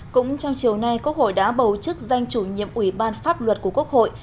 cũng trong chiều nay quốc hội đã bầu chức danh chủ nhiệm ủy ban pháp luật của quốc hội